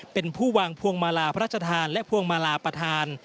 เป็นผู้วางพวงมาลาพระราชทานและพวงมาลาประธาน